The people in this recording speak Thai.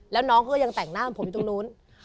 แล้วน้องเขาก็ยังแต่งหน้าผมอยู่ตรงนู้น